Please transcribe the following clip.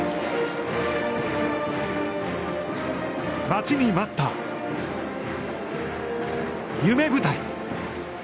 待ちに待った夢舞台。